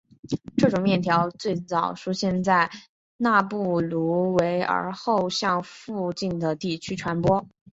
这种面条最早出现在纳布卢斯而后向附近的地区传播。